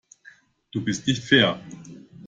Du bist nicht fair.